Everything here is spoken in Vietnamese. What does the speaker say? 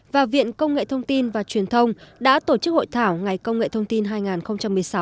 và viện công nghệ thông tin và truyền thông đã tổ chức hội thảo ngày công nghệ thông tin hai nghìn một mươi sáu